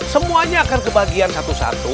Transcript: semuanya akan kebagian satu satu